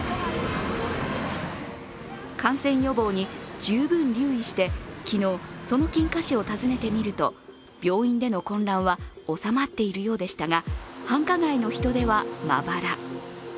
感染予防に十分留意して昨日、その金華市を訪ねてみると、病院での混乱は収まっているようでしたが繁華街の人出はまばら。